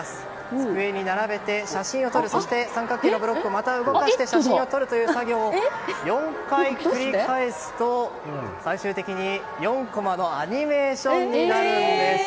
机に並べて写真を撮る三角形のブロックをまた動かして写真を撮るという作業を４回繰り返すと、最終的に４コマのアニメーションになるんです。